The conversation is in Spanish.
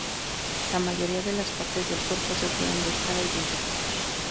La mayoría de las partes del cuerpo se pueden buscar e identificar.